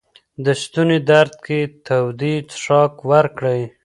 د ستوني درد کې تودې څښاک ورکړئ.